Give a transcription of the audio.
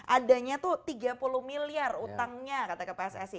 adanya tuh tiga puluh miliar utangnya kata ke pssi